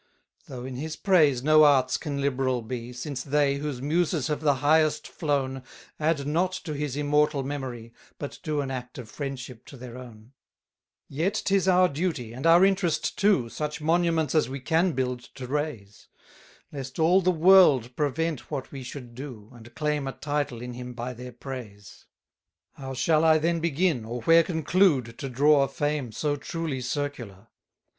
3 Though in his praise no arts can liberal be, Since they, whose muses have the highest flown, Add not to his immortal memory, But do an act of friendship to their own: 4 Yet 'tis our duty, and our interest too, Such monuments as we can build to raise; Lest all the world prevent what we should do, And claim a title in him by their praise. 5 How shall I then begin, or where conclude, To draw a fame so truly circular?